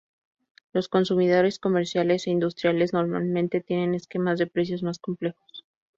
Los consumidores comerciales e industriales normalmente tienen esquemas de precios más complejos.